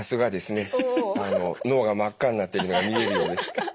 脳が真っ赤になってるのが見えるようです。